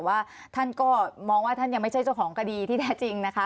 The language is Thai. ว่าท่านก็มองว่าท่านยังไม่ใช่เจ้าของคดีที่แท้จริงนะคะ